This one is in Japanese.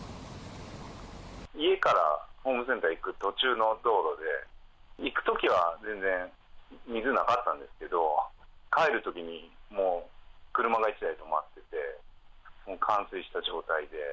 家からホームセンターに行く途中の道路で、行くときは全然、水なかったんですけど、帰るときにもう車が１台止まってて、もう冠水した状態で。